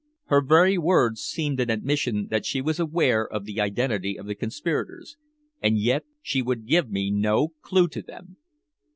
Her very words seemed an admission that she was aware of the identity of the conspirators, and yet she would give me no clue to them.